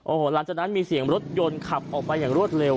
โอ้โหหลังจากนั้นมีเสียงรถยนต์ขับออกไปอย่างรวดเร็ว